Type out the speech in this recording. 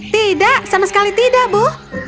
tidak sama sekali tidak bu